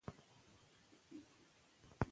راځئ چې یو موټی شو.